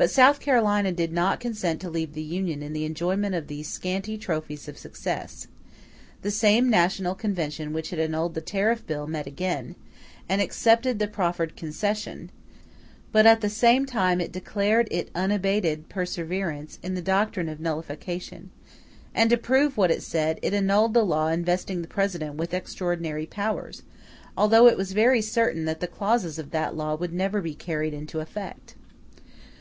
] But South Carolina did not consent to leave the Union in the enjoyment of these scanty trophies of success: the same national Convention which had annulled the tariff bill, met again, and accepted the proffered concession; but at the same time it declared its unabated perseverance in the doctrine of Nullification: and to prove what it said, it annulled the law investing the President with extraordinary powers, although it was very certain that the clauses of that law would never be carried into effect.